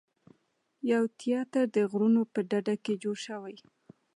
یو تیاتر د غرونو په ډډه کې جوړ شوی دی.